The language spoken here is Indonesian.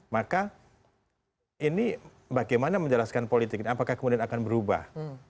maka ini bagaimana menjelaskan politik ini apakah kemudian akan berubah